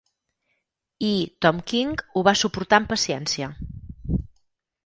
I Tom King ho va suportar amb paciència.